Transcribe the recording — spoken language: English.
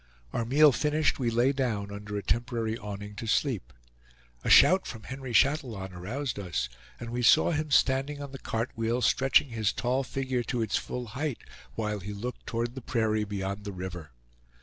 Our meal finished, we lay down under a temporary awning to sleep. A shout from Henry Chatillon aroused us, and we saw him standing on the cartwheel stretching his tall figure to its full height while he looked toward the prairie beyond the river.